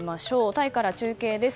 タイから中継です。